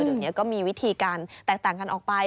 เดี๋ยวนี้ก็มีวิธีการแตกต่างกันออกไป